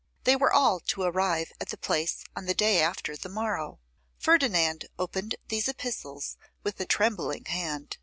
They were all to arrive at the Place on the day after the morrow. Ferdinand opened these epistles with a trembling hand.